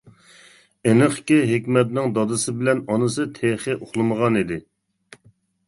ئېنىقكى ھېكمەتنىڭ دادىسى بىلەن ئانىسى تېخى ئۇخلىمىغان ئىدى.